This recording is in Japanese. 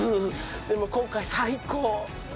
でも、今回最高。